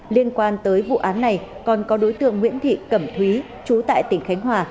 liên quan tới vụ án này còn có đối tượng nguyễn thị cẩm thúy chú tại tỉnh khánh hòa